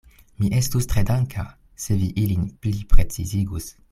Mi estus tre danka, se vi ilin pliprecizigus.